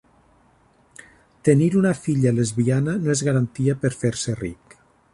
Tenir una filla lesbiana no es garantia per fer-se ric.